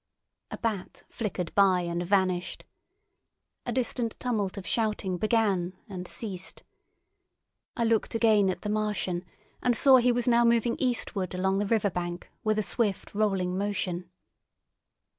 A bat flickered by and vanished. A distant tumult of shouting began and ceased. I looked again at the Martian, and saw he was now moving eastward along the riverbank, with a swift, rolling motion.